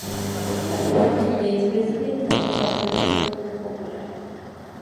Actualmente es Presidenta del Partido Proyecto Popular.